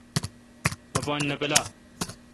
اپان نہ پُالا۔